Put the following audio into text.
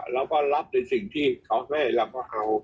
เราก็รับในสิ่งที่เขาให้เราก็เอา